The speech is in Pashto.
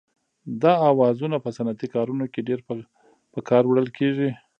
دا اوزارونه په صنعتي کارونو کې ډېر په کار وړل کېږي.